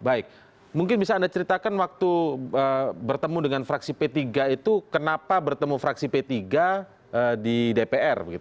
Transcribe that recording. baik mungkin bisa anda ceritakan waktu bertemu dengan fraksi p tiga itu kenapa bertemu fraksi p tiga di dpr begitu